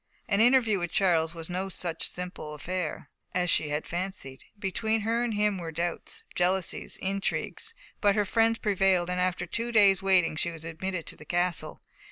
An interview with Charles was no such simple affair as she had fancied. Between her and him were doubts, jealousies, intrigues. But her friends prevailed, and after two days' waiting she was admitted to the castle.